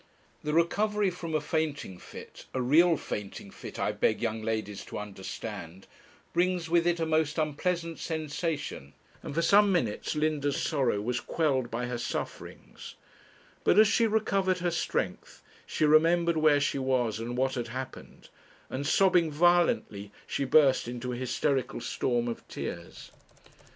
The recovery from a fainting fit, a real fainting fit I beg young ladies to understand, brings with it a most unpleasant sensation, and for some minutes Linda's sorrow was quelled by her sufferings; but as she recovered her strength she remembered where she was and what had happened, and sobbing violently she burst into an hysterical storm of tears.